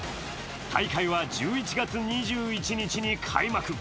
大会は１１月２１日に開幕。